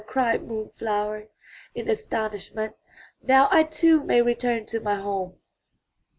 '' cried Moon flower in astonish ment. ''Now I too may return to my home!"